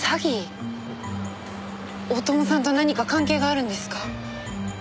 大友さんと何か関係があるんですか？